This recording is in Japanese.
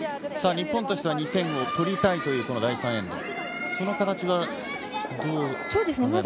日本としては２点を取りたい第３エンド、形はどうですか？